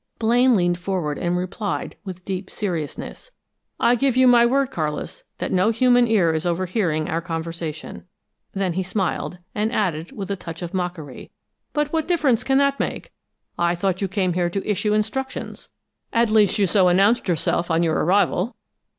Blaine leaned forward and replied with deep seriousness. "I give you my word, Carlis, that no human ear is overhearing our conversation." Then he smiled, and added, with a touch of mockery: "But what difference can that make? I thought you came here to issue instructions. At least, you so announced yourself on your arrival!"